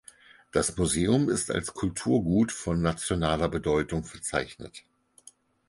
Das Museum ist als Kulturgut von nationaler Bedeutung verzeichnet.